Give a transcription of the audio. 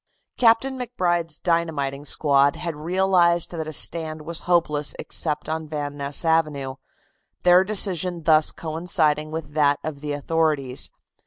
Captain MacBride's dynamiting squad had realized that a stand was hopeless except on Van Ness Avenue, their decision thus coinciding with that of the authorities.